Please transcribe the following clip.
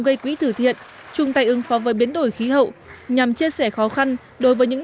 gây quỹ tử thiện chung tay ứng phó với biến đổi khí hậu nhằm chia sẻ khó khăn đối với những